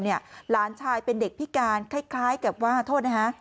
หลานชายเป็นเด็กพิการคล้ายกับว่าโทษนะฮะ